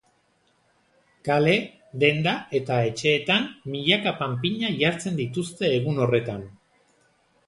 Kale, denda eta etxeetan milaka panpina jartzen dituzte egun horretan.